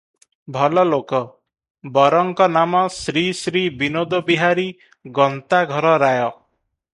ଭଲଲୋକ- ବରଙ୍କ ନାମ ଶ୍ରୀ ଶ୍ରୀ ବିନୋଦବିହାରୀ ଗନ୍ତାଘରରାୟ ।